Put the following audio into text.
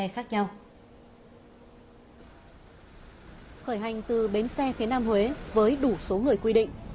khởi hành từ bến xe phía nam huế với đủ số người quy định